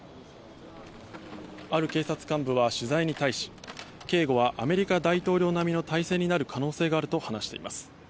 ある警察幹部は取材に対し警護はアメリカ大統領並みの態勢になる可能性があると話しています。